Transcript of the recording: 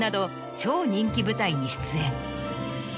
超人気舞台に出演。